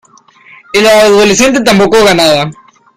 el adolescente tampoco ganaba: